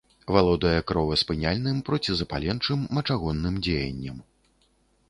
Валодае кроваспыняльным, процізапаленчым, мачагонным дзеяннем.